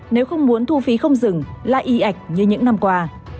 nếu không muốn thu phí không dừng lại y ảnh như những năm qua